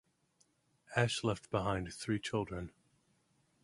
Ash left behind three children.